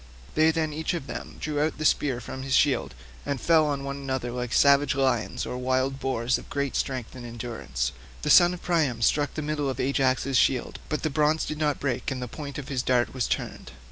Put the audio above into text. They then each of them drew out the spear from his shield, and fell on one another like savage lions or wild boars of great strength and endurance: the son of Priam struck the middle of Ajax's shield, but the bronze did not break, and the point of his dart was turned.